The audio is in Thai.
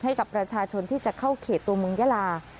ให้กับประชาชนที่จะเข้าเขตตัวเมืองยาลา